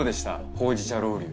ほうじ茶ロウリュ。